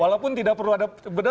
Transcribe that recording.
walaupun tidak perlu ada